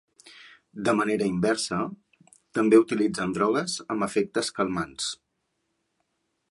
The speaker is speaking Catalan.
De manera inversa, també s’utilitzen drogues amb efectes calmants.